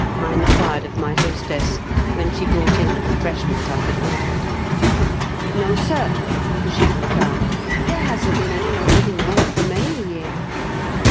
I inquired of my hostess, when she brought in the refreshment I had ordered. "No, sir," die replied. "There hasn^t been anyone liying there for many a year.